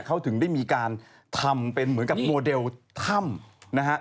เขาถึงได้มีการทำเป็นเหมือนกับโมเดลถ้ำนะฮะ